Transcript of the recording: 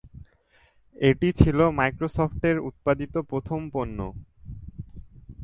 এটি ছিল মাইক্রোসফটের উৎপাদিত প্রথম পণ্য।